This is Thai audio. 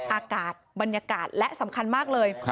อากาศบรรยากาศและสำคัญมากเลย